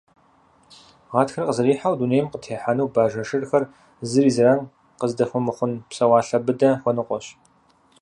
Гъатхэр къызэрихьэу дунейм къытехьэну бажэ шырхэр, зыри зэран къаздыхуэмыхъун псэуалъэ быдэ хуэныкъуэщ.